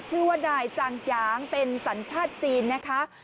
ชื่อว่านายจางหยางเป็นสัญชาติจีนนะคะ